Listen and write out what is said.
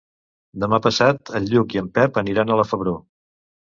Demà passat en Lluc i en Pep aniran a la Febró.